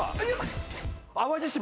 淡路島！